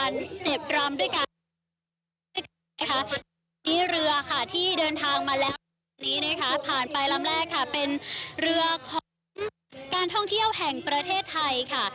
นี่เรือค่ะที่เดินทางมาแล้วนี้นะคะผ่านไปลำแรกค่ะเป็นเรือของการท่องเที่ยวแห่งประเทศไทยค่ะ